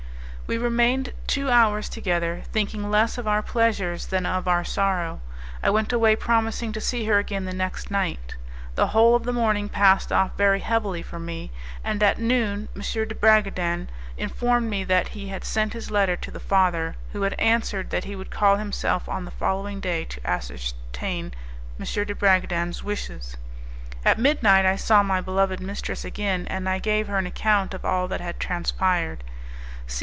We remained two hours together, thinking less of our pleasures than of our sorrow; I went away promising to see her again the next night. The whole of the morning passed off very heavily for me, and at noon M. de Bragadin informed me that he had sent his letter to the father, who had answered that he would call himself on the following day to ascertain M. de Bragadin's wishes. At midnight I saw my beloved mistress again, and I gave her an account of all that had transpired.